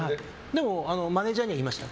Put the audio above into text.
でもマネジャーには言いました。